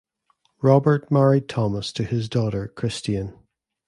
Robert married Thomas to his daughter Christian.